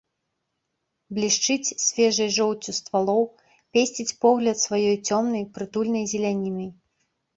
Блішчыць свежай жоўцю ствалоў, песціць погляд сваёй цёмнай прытульнай зелянінай.